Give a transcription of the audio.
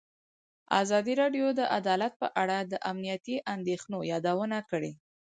ازادي راډیو د عدالت په اړه د امنیتي اندېښنو یادونه کړې.